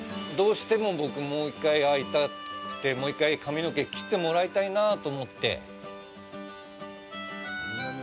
どうしても僕、もう一回会いたくてもう一回、髪の毛切ってもらいたいなと思って。